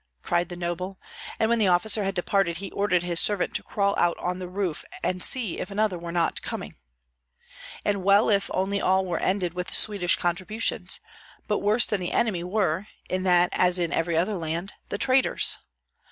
cried the noble; and when the officer had departed he ordered his servant to crawl out on the roof and see if another were not coming. And well if only all were ended with Swedish contributions; but worse than the enemy were, in that as in every other land, the traitors.